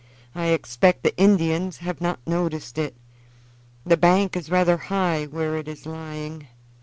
I expect the Indians have not noticed it. The bank is rather high where it is lying.